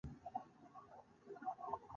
بېثباته اقتصاد د بېکارۍ او بېوزلۍ سبب ګرځي.